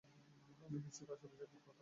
আমি নিশ্চিত আশেপাশেই কোথাও আছে।